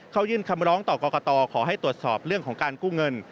เขายื่นคำร้องต่อกรกตขอให้ตรวจสอบเรื่องของการกู้เงิน